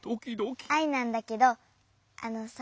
アイなんだけどあのさ。